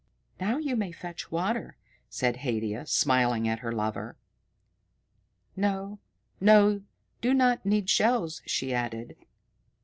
"Now you may fetch water," said Haidia, smiling at her lover. "No, you do not need the shells," she added.